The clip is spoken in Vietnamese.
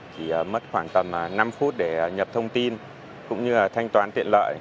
chỉ mất khoảng tầm năm phút để nhập thông tin cũng như là thanh toán tiện lợi